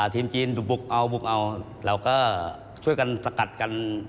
ทีมจีนบุกเอาเราก็ช่วยกันสกัดกัน